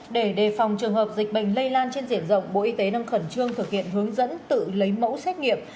để đề phòng trường hợp dịch bệnh lây lan trên diện rộng bộ y tế đang khẩn trương thực hiện hướng dẫn tự lấy mẫu xét nghiệm